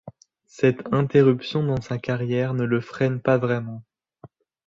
Cette interruption dans sa carrière ne le freine pas vraiment.